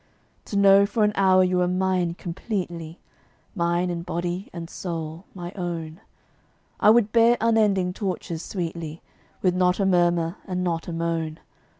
To know for an hour you were mine completely Mine in body and soul, my own I would bear unending tortures sweetly, With not a murmur and not a moan.